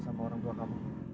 sama orang tua kamu